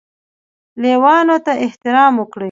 لویانو ته احترام وکړئ